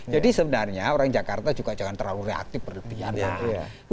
jadi sebenarnya orang jakarta juga jangan terlalu reaktif berlebihan lah